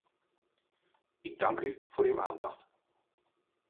Ik dank u voor uw aandacht.